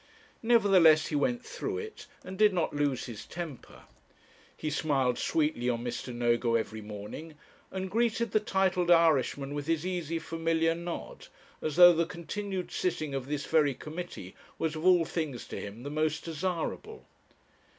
Nevertheless he went through it and did not lose his temper. He smiled sweetly on Mr. Nogo every morning, and greeted the titled Irishman with his easy familiar nod, as though the continued sitting of this very committee was of all things to him the most desirable.